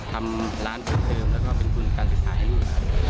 ทำร้านเพิ่มเติมแล้วก็เป็นทุนการศึกษาให้ลูก